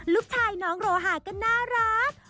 ลูกชายน้องโรหาก็น่ารัก